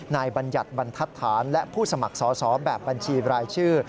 บัญญัติบรรทัศน์และผู้สมัครสอสอแบบบัญชีรายชื่อ